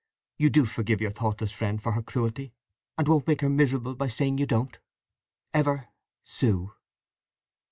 You do forgive your thoughtless friend for her cruelty? and won't make her miserable by saying you don't?—Ever, SUE.